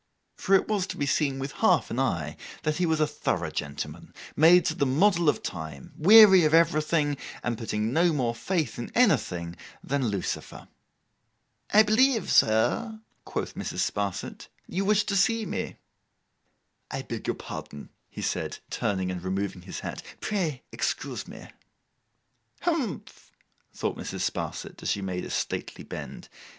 For it was to be seen with half an eye that he was a thorough gentleman, made to the model of the time; weary of everything, and putting no more faith in anything than Lucifer. 'I believe, sir,' quoth Mrs. Sparsit, 'you wished to see me.' 'I beg your pardon,' he said, turning and removing his hat; 'pray excuse me.' 'Humph!' thought Mrs. Sparsit, as she made a stately bend.